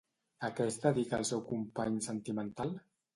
A què es dedica el seu company sentimental?